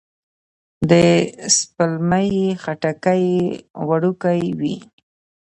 د سپلمۍ خټکی وړوکی وي